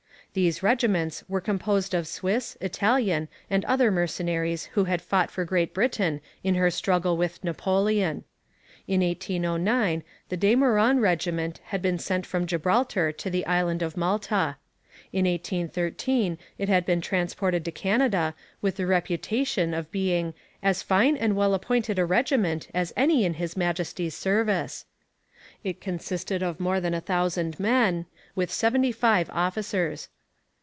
These regiments were composed of Swiss, Italian, and other mercenaries who had fought for Great Britain in her struggle with Napoleon. In 1809 the De Meuron regiment had been sent from Gibraltar to the island of Malta. In 1813 it had been transported to Canada with the reputation of being 'as fine and well appointed a regiment as any in his Majesty's service.' It consisted of more than a thousand men, with seventy five officers.